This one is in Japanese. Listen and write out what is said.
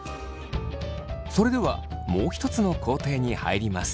それではもう一つの工程に入ります。